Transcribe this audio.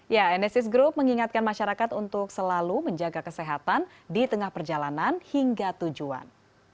ya nsis group mengingatkan masyarakat untuk selalu menjaga kesehatan di tengah perjalanan hingga tujuan